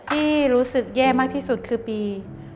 ที่รู้สึกแย่มากที่สุดคือปี๒๕๖